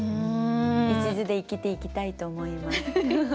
いちずで生きていきたいと思います。